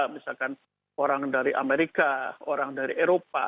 misalkan orang dari amerika orang dari eropa